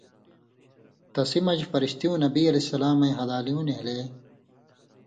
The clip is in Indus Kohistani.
تسیۡ مژ فَرِشتیوں نبی علیہ السلامیں ہَلالیوں نھېلے